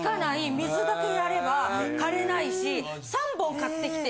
水だけやれば枯れないし。